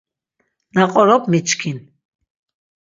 Na qorop miçkin.